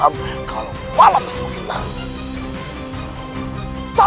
baiklah kita tunggu malam semakin lama